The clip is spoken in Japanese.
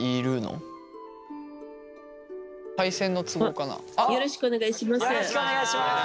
よろしくお願いします。